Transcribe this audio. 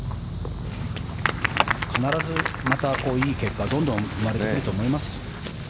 必ずまたいい結果がどんどん生まれてくると思います。